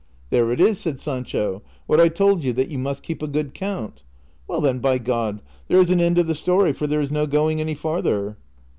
" There it is," said Sancho, " what I told yoii, that you miist keep a good count ; well then, by God, there is an end of the story, for there is no going any farther."